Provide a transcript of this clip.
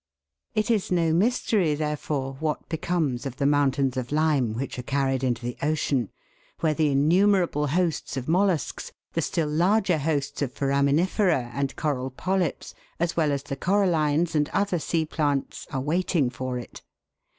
It is no mystery, therefore, what becomes of the moun tains of lime which are carried into the ocean, where the LIMESTONE AND MARBLE. 143 innumerable hosts of mollusks, the still larger hosts of foraminifera and coral polyps, as well as the corallines and other sea plants are waiting for it.